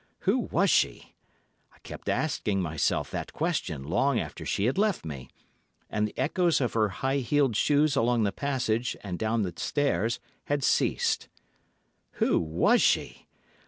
Who was she? I kept asking myself that question long after she had left me, and the echoes of her high heeled shoes along the passage and down the stairs had ceased. Who was she?